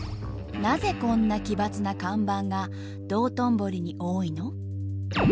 なぜこんな奇抜な看板が道頓堀に多いの？